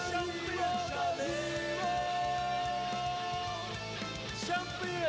กันต่อแพทย์จินดอร์